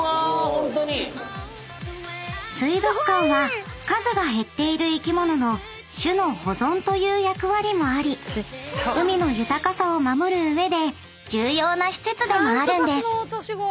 ホントに⁉［水族館は数が減っている生きものの種の保存という役割もあり海の豊かさを守る上で重要な施設でもあるんです］